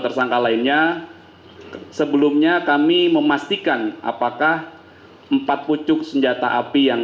sehingga kalau pada waktu yang pasti kita menghafal di sana